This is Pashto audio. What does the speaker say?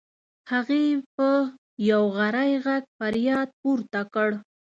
هغې په یو غری غږ فریاد پورته کړ.